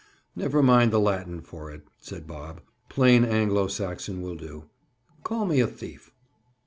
"Never mind the Latin for it," said Bob. "Plain Anglo Saxon will do. Call me a thief."